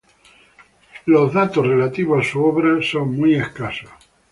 Los datos relativos a su obra son muy escasos.